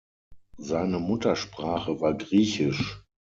Seine Muttersprache war griechisch.